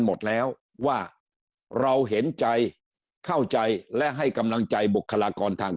หมดแล้วว่าเราเห็นใจเข้าใจและให้กำลังใจบุคลากรทาง